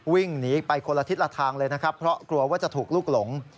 วิ่งหนีไปคนละทิศละทางเลยนะครับเพราะกลัวว่าจะถูกลูกหลง